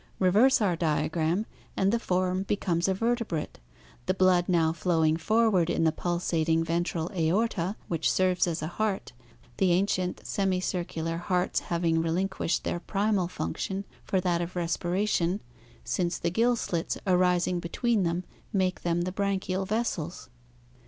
Reverse our diagram and the form becomes a vertebrate, the blood now flowing forward in the pulsating ventral aorta which serves as a heart, the ancient semi circular "hearts" having relinquished their primal function for that of respiration, since the gill slits arising between them make them the branchial vessels.